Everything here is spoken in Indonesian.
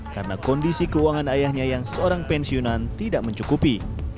karena kondisi keuangan ayahnya yang seorang pensiunan tidak mencukupi